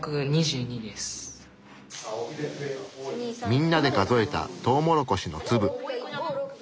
みんなで数えたトウモロコシの粒。